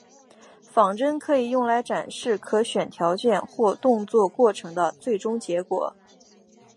仿真可以用来展示可选条件或动作过程的最终结果。